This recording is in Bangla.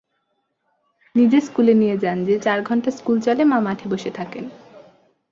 নিজে স্কুলে নিয়ে যান, যে-চারঘণ্টা স্কুল চলে মা মাঠে বসে থাকেন।